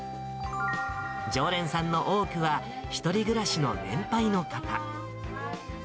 常連さんの多くは、１人暮らしの年配の方。